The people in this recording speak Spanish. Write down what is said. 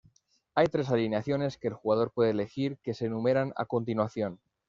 Hay tres "alineaciones" que el jugador puede elegir que se enumeran a continuación.